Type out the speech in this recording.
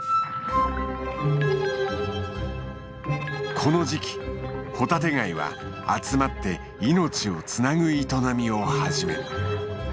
この時期ホタテガイは集まって命をつなぐ営みを始める。